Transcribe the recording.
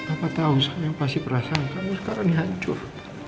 apa tau sayang pasti perasaan kamu sekarang ini hancur